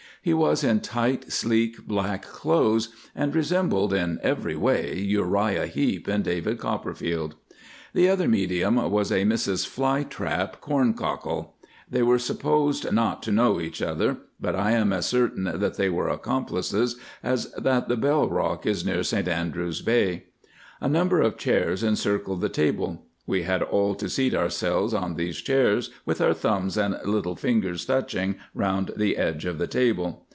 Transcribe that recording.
He was in tight, sleek black clothes, and resembled in every way "Uriah Heep" in "David Copperfield." The other medium was a Mrs Flyflap Corncockle. They were supposed not to know each other, but I am as certain that they were accomplices as that the Bell Rock is near St Andrews Bay. A number of chairs encircled the table. We had all to seat ourselves on these chairs, with our thumbs and little fingers touching round the edge of the table.